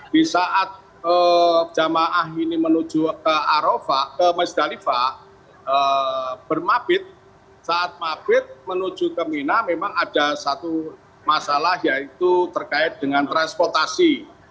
di saat jamaah ini menuju ke arafah ke musdalifah bermabit saat mabit menuju ke mina memang ada satu masalah yaitu terkait dengan transportasi